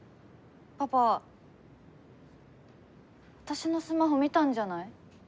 パパ私のスマホ見たんじゃない？